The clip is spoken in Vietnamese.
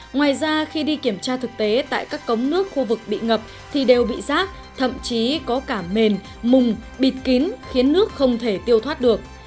ngoài ra khi đi kiểm tra thực tế tại các cống nước khu vực bị ngập thì đều bị rác thậm chí có cả mềm mùm bịt kín khiến nước không thể tiêu thoát được